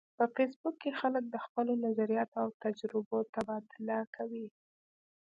په فېسبوک کې خلک د خپلو نظریاتو او تجربو تبادله کوي